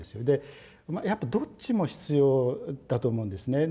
やっぱどっちも必要だと思うんですね。